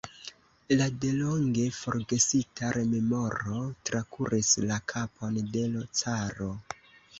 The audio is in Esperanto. Ia delonge forgesita rememoro trakuris la kapon de l' caro.